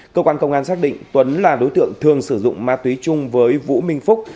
cơ quan công an xác định tuấn là đối tượng thường sử dụng ma túy chung với vũ minh phúc